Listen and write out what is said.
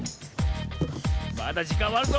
まだじかんはあるぞ！